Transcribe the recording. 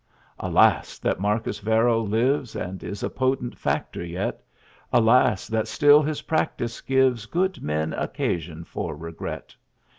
Alas, that Marcus Varro lives And is a potent factor yet! Alas, that still his practice gives Good men occasion for regret!